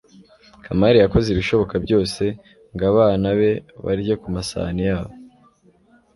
kamali yakoze ibishoboka byose ngo abana be barye ku masahani yabo